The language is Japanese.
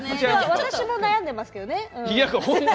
私も悩んでますけどね。